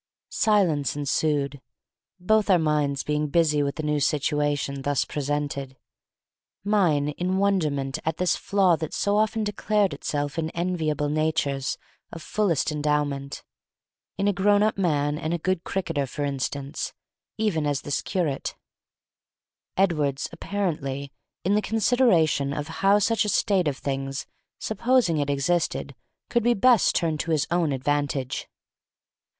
Silence ensued, both our minds being busy with the new situation thus presented, mine, in wonderment at this flaw that so often declared itself in enviable natures of fullest endowment, in a grown up man and a good cricketer, for instance, even as this curate; Edward's (apparently), in the consideration of how such a state of things, supposing it existed, could be best turned to his own advantage.